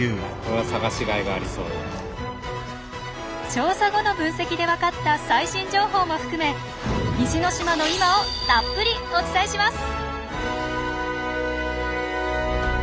調査後の分析でわかった最新情報も含め西之島の今をたっぷりお伝えします！